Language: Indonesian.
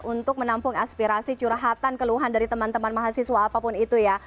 untuk menampung aspirasi curhatan keluhan dari teman teman mahasiswa apapun itu ya